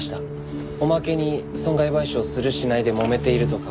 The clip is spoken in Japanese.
おまけに損害賠償するしないでもめているとか。